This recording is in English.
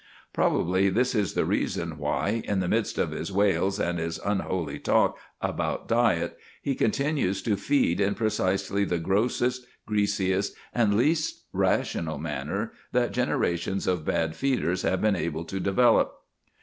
Probably this is the reason why in the midst of his wails and his unholy talk about diet he continues to feed in precisely the grossest, greasiest, and least rational manner that generations of bad feeders have been able to develop.